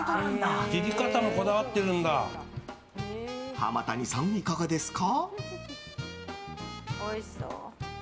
浜谷さん、いかがですか？